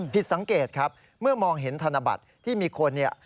ผิดสังเกตครับเมื่อมองเห็นธนบัตรที่มีคนเนี่ย